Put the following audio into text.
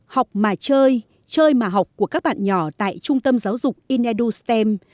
học mà chơi chơi mà học của các bạn nhỏ tại trung tâm giáo dục ineder stem